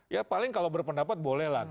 ya paling kalau berpendapat bolehlah